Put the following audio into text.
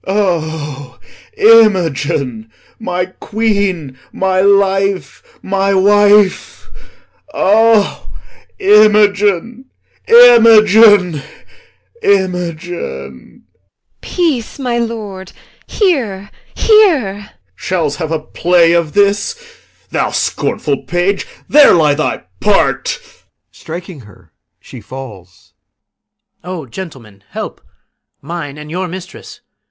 O Imogen! My queen, my life, my wife! O Imogen, Imogen, Imogen! IMOGEN. Peace, my lord. Hear, hear! POSTHUMUS. Shall's have a play of this? Thou scornful page, There lies thy part. [Strikes her. She falls] PISANIO. O gentlemen, help! Mine and your mistress!